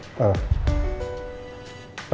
sama sama pak irvan